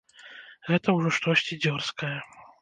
Гэта ўжо штосьці дзёрзкае.